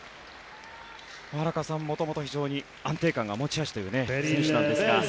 荒川さん、元々非常に安定感が持ち味という選手なんですが。